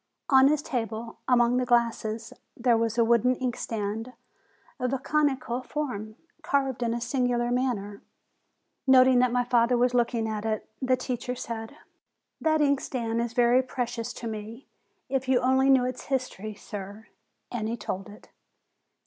On his table, among the glasses, there was a wooden inkstand, of a conical form, carved in a singular manner. Noting that my father was looking at it, the teacher said : 128 FEBRUARY That inkstand is very precious to me: if you only knew its history, sir !" And he told it.